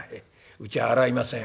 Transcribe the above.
「うちは洗いません」。